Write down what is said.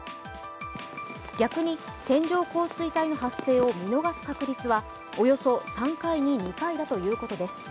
逆に、線状降水帯の発生を見逃す確率はおよそ３回に２回だということです。